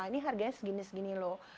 ini harganya segini segini loh